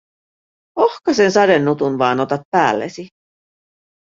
Ohkasen sadenutun vaan otat päällesi?